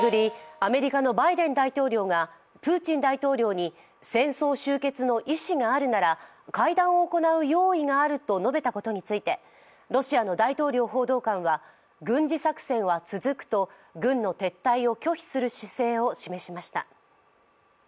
アメリカのバイデン大統領がプーチン大統領に戦争終結の意思があるなら会談を行う用意があると述べたことについて、ロシアの大統領報道官は軍事作戦は続くと軍の撤退を拒否する姿勢を示しました。